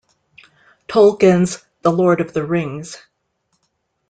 Tolkien's The Lord of the Rings.